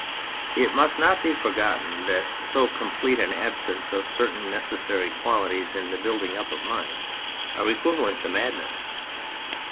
It must not be forgotten that so complete an absence of certain necessary qualities in the building up of a mind are equivalent to madness.